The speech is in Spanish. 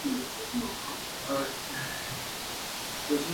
Además, el Wildcat soportó un castigo enorme.